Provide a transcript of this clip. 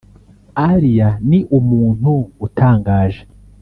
Aria ni umuntu utangaje